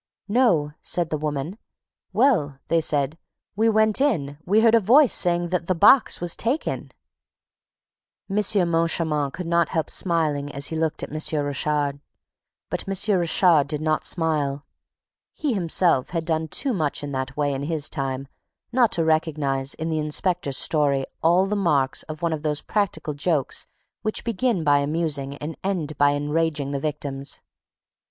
'No,' said the woman. 'Well,' said they, 'when we went in, we heard a voice saying THAT THE BOX WAS TAKEN!'" M. Moncharmin could not help smiling as he looked at M. Richard; but M. Richard did not smile. He himself had done too much in that way in his time not to recognize, in the inspector's story, all the marks of one of those practical jokes which begin by amusing and end by enraging the victims.